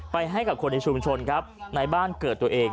ให้กับคนในชุมชนครับในบ้านเกิดตัวเอง